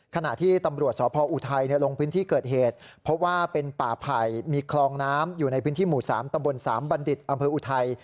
ขณะที่ตำรวจสพออุทัยลงพื้นที่เกิดเหตุเพราะว่าเป็นป่าไผ่มีคลองน้ำอยู่ในพื้นที่หมู่๓ตำบลสามบัณฑิตอำเภออุทัย